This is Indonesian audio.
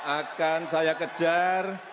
akan saya kejar